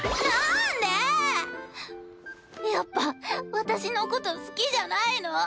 なんで⁉やっぱ私のこと好きじゃないの？